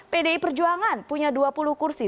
pdi perjuangan punya dua puluh kursi